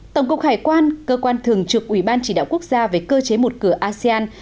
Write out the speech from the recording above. tổng cục hải quan cơ quan thường trực ủy ban chỉ đạo quốc gia về cơ chế một cửa asean